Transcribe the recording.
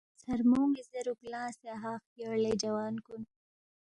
ژھرمونی زیروک لنگسے اَہا خیور لے جوان کُن